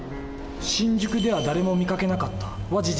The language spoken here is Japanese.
「新宿では誰も見かけなかった」は事実。